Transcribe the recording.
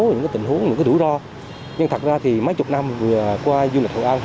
những cái tình huống những cái đủ lo nhưng thật ra thì mấy chục năm vừa qua du lịch hội an